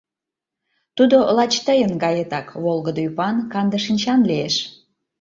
Тудо лач тыйын гаетак волгыдо ӱпан, канде шинчан лиеш.